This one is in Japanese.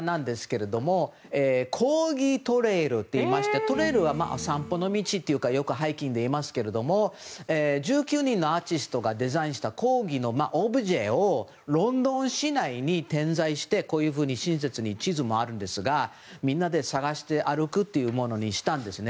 コーギー・トレイルといいましてトレイルはお散歩の道というかよくハイキングで言いますけれども１９人のアーティストがデザインしたコーギーのオブジェをロンドン市内に点在して親切に地図もあるんですがみんなで探して歩くというものにしたんですね。